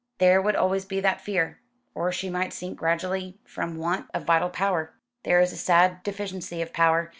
"There would always be that fear. Or she might sink gradually from want of vital power. There is a sad deficiency of power.